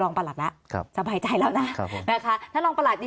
ประหลัดแล้วครับสบายใจแล้วนะครับนะคะท่านรองประหลัดนี้